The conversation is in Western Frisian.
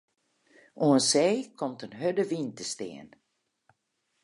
Oan see komt in hurde wyn te stean.